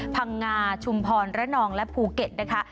พังงาชุมพรระนองและภูเก็ตนะคะ